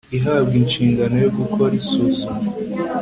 ihabwa inshingano yo gukora isuzuma